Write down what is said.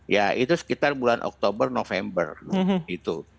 dua ribu sembilan belas ya itu sekitar bulan oktober november gitu